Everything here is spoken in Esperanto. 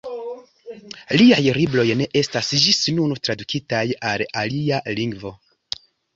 Liaj libroj ne estas ĝis nun tradukitaj al alia lingvo.